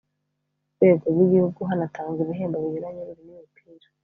rwego rw Igihugu hanatangwa ibihembo binyuranye birimo imipira